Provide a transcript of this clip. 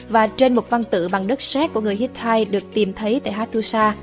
và trên một văn tự bằng đất xét của người hittite được tìm thấy tại hattusa